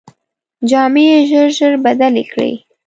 جامې یې ژر ژر بدلې کړې.